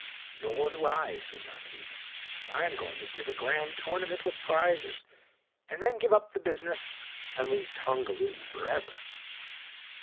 " Nor do I," said Marmaduke. " I 'm going to give a grand tournament with prizes, and then give up the business and leave Tongaloo forever."